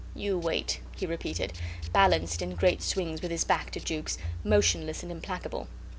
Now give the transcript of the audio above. "You wait," he repeated, balanced in great swings with his back to Jukes, motionless and implacable.